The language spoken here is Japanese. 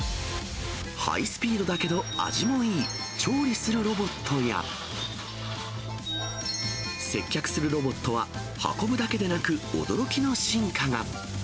ハイスピードだけど味もいい、調理するロボットや、接客するロボットは運ぶだけでなく、驚きの進化が。